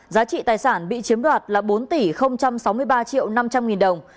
giá trị tài sản bị chiếm đoạt là bốn tỷ sáu mươi ba triệu năm trăm linh nghìn đồng